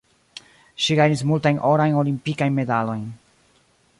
Ŝi gajnis multajn orajn olimpikajn medalojn.